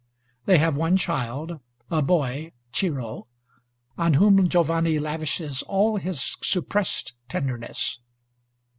They have one child, a boy, Ciro, on whom Giovanni lavishes all his suppressed tenderness.